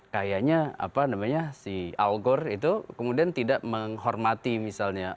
kayaknya apa namanya si algor itu kemudian tidak menghormati misalnya